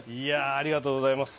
ありがとうございます。